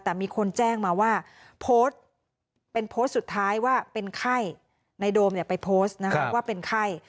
แต่มีคนแจ้งมาว่าโพสต์เป็นโพสต์สุดท้ายว่าเป็นไข้ในโดมไปโพสต์นะครับว่าเป็นไข้